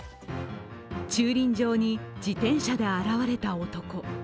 駐輪場に、自転車で現れた男。